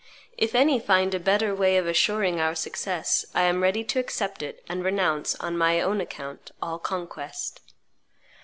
If any find a better way of assuring our success, I am ready to accept it and renounce, on my own account, all conquest."